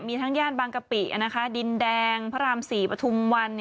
มีทั้งแย่นบางกะปิน่ะค่ะดินแดงพระรามศรีปฐุมวัน